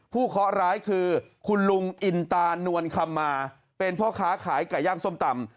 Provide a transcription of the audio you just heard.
เคาะร้ายคือคุณลุงอินตานวลคำมาเป็นพ่อค้าขายไก่ย่างส้มตำ